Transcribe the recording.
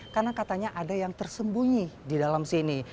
karena katanya ada yang tersembunyi di dalam sini